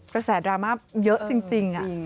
ประสาทดราม่าเยอะจริงอะ